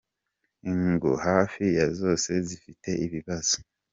ingo hafi ya zose zifite ibibazo.